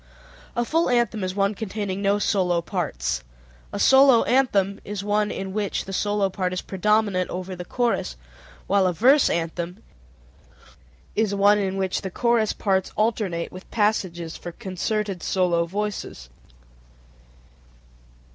A full anthem is one containing no solo parts; a solo anthem is one in which the solo part is predominant over the chorus, while a verse anthem is one in which the chorus parts alternate with passages for concerted solo voices (_i.